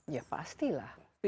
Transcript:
ya pasti lah